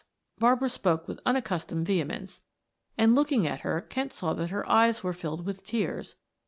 Barbara spoke with unaccustomed vehemence, and looking at her Kent saw that her eyes were filled with tears.